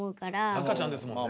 赤ちゃんですもんね。